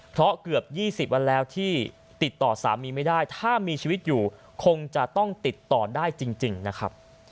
เพราะเกือบ๒๐วันแล้วที่ติดต่อสามีไม่ได้ถ้ามีชีวิตอยู่คงจะต้องติดต่อได้จริงนะครับ